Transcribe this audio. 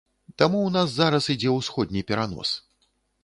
Таму ў нас зараз ідзе ўсходні перанос.